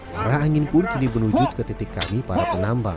para angin pun kini menuju ke titik kami para penambang